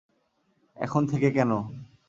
এখন থেকে কেন?